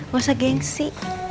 gak usah gengsi